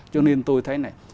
cho nên tôi thấy này